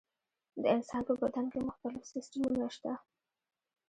د انسان په بدن کې مختلف سیستمونه شته.